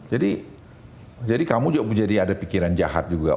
jadi jadi kamu jadi ada pikiran jahat juga